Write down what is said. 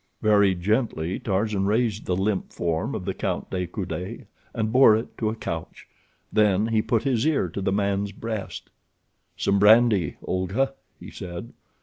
Very gently Tarzan raised the limp form of the Count de Coude and bore it to a couch. Then he put his ear to the man's breast. "Some brandy, Olga," he said.